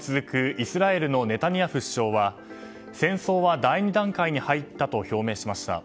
イスラエルのネタニヤフ首相は戦争は第２段階に入ったと表明しました。